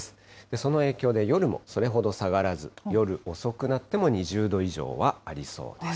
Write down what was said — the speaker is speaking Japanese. その影響で夜もそれほど下がらず、夜遅くなっても２０度以上はありそうです。